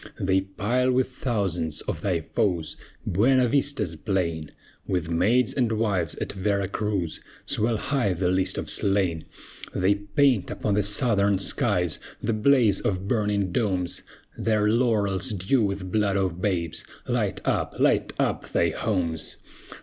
They pile with thousands of thy foes Buena Vista's plain; With maids and wives, at Vera Cruz, Swell high the list of slain! They paint upon the Southern skies The blaze of burning domes, Their laurels dew with blood of babes! Light up, light up thy homes!